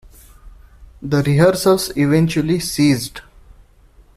The rehearsals eventually ceased.